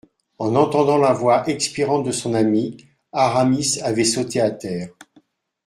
En entendant la voix expirante de son ami, Aramis avait sauté à terre.